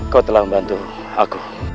kau telah membantu aku